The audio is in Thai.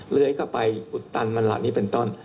เลื้อยเข้าไปอุดตันมันเหล่านี้เป็นต้น